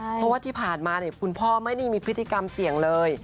เพราะว่าที่ผ่านมาคุณพ่อไม่ได้มีพฤติกรรมเสี่ยงเลย